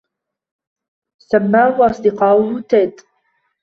سمّاه أصدقاؤه تِد.